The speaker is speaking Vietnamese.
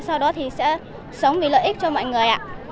sau đó thì sẽ sống vì lợi ích cho mọi người ạ